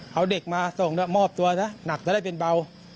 เอาเด็กมาส่งมอบตัวซะหนักจะได้เป็นเบา